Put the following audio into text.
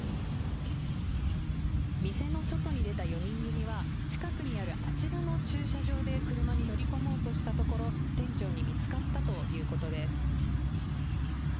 店の外に出た４人組は近くにあるあちらの駐車場で車に乗り込もうとしたところ、店長に見つかったということです。